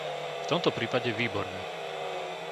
V tomto prípade výborné!